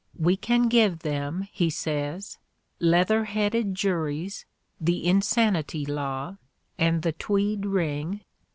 We can give them, he says, "leather headed juries, the insanity law, and the Tweed ring.